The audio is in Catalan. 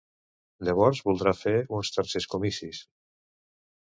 Llavors, voldrà fer uns tercers comicis?